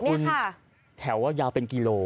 แต่คุณแถวว่ายาวเป็นกิโล